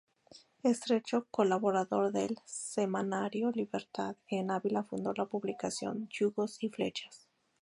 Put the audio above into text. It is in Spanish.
Estrecho colaborador del semanario "Libertad", en Ávila fundó la publicación "Yugos y Flechas".